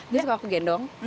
dia suka aku gendong